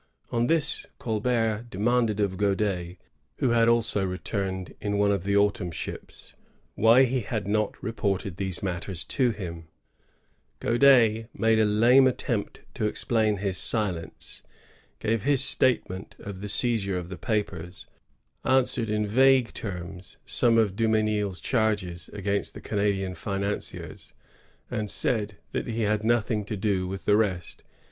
On this Colbert demanded of Graudais, who had also returned in one of the autumn ships, why he had not reported these matters to him. Gaudais 1608.] CHARGES OF DUMESKIL. 201 ma^e a lame attempt to explain his silence, gare his statement of the seizure of the papeis, answered in vague terms some of Dumesnil's charges against the Canadian financiers, and said tiiat he had nothing to do with the rest.